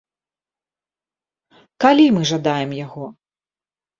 Калі мы жадаем яго?